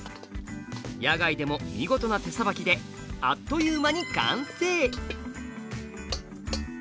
野外でも見事な手さばきであっという間に完成！